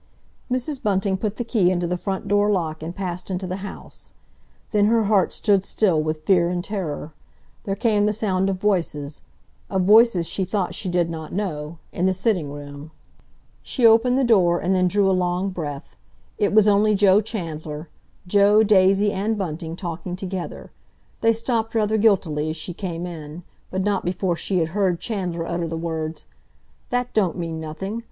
Mrs. Bunting put the key into the front door lock and passed into the house. Then her heart stood still with fear and terror. There came the sound of voices—of voices she thought she did not know—in the sitting room. She opened the door, and then drew a long breath. It was only Joe Chandler—Joe, Daisy, and Bunting, talking together. They stopped rather guiltily as she came in, but not before she had heard Chandler utter the words: "That don't mean nothing!